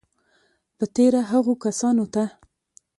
په تېره هغو کسانو ته